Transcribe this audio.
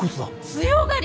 強がり。